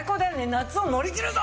夏をのりきるぞ！